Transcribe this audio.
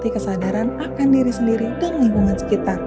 mindfulness juga dapat melatih kesadaran akan diri sendiri dan lingkungan sekitar